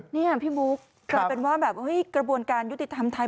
นี่พี่บุ๊คกลายเป็นว่าแบบกระบวนการยุติธรรมไทย